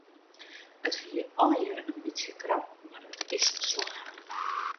It wie allegear in bytsje krap mar it is slagge.